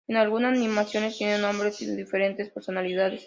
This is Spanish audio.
En algunas animaciones tienen nombres y diferentes personalidades.